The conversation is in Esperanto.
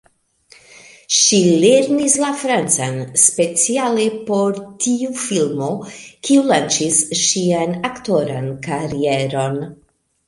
Ŝi lernis la francan speciale por tiu filmo, kiu lanĉis ŝian aktoran karieron.